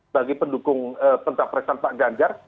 bagi pendukung pencapresan pak ganjar